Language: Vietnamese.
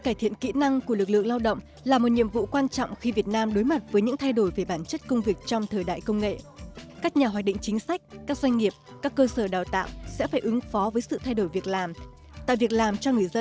các nhà hoạt định chính sách các doanh nghiệp các cơ sở đào tạo sẽ phải ứng phó với sự thay đổi việc làm